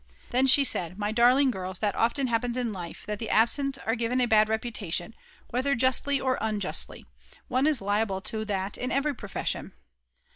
Then she said: "My darling girls, that often happens in life, that the absent are given a bad reputation, whether justly or unjustly; one is liable to that in every profession."